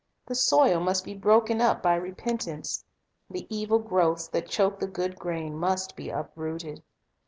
The soil must be broken up by repentance. The evil growths that choke the good grain must be uprooted.